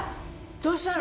どうしたの？